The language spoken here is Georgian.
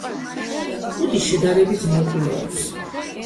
კუდი შედარებით მოკლე აქვს.